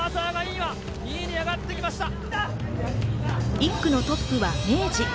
１区のトップは明治。